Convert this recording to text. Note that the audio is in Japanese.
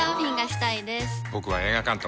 僕は映画監督。